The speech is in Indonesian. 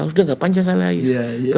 sudah nggak pancasalais